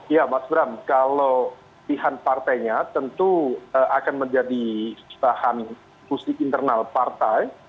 ya mas bram kalau pilihan partainya tentu akan menjadi bahan diskusi internal partai